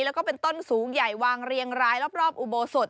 แล้วก็เป็นต้นสูงใหญ่วางเรียงรายรอบอุโบสถ